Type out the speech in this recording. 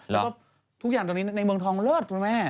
แล้วก็ทุกอย่างตอนนี้ในเมืองทองเลิศคุณแม่